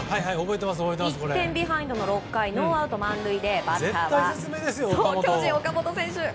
１点ビハインドの６回ノーアウト満塁でバッターは巨人の岡本選手。